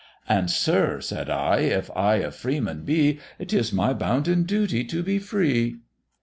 And, sir, said I, if I a Freeman be, It is my bounden duty to be free."